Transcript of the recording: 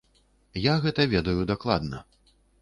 Я гэта ведаю дакладна.